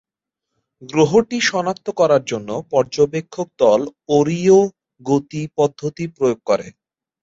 গ্রহটি শনাক্ত করার জন্য পর্যবেক্ষক দল অরীয় গতি পদ্ধতি প্রয়োগ করে।